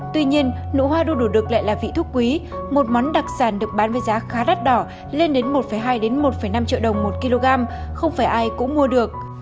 tuy nhiên nụ hoa đủ được lại là vị thuốc quý một món đặc sản được bán với giá khá đắt đỏ lên đến một hai một năm triệu đồng một kg không phải ai cũng mua được